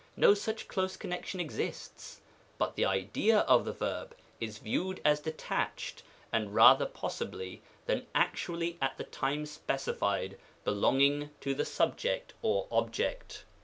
no such close connection exists, but the idea of the verb is viewed as detached, and rather possibly, than actually at the time specified, belonging to the subject or object.